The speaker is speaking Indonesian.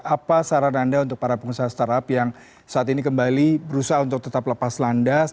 apa saran anda untuk para pengusaha startup yang saat ini kembali berusaha untuk tetap lepas landas